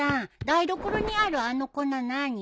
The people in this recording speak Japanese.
台所にあるあの粉何？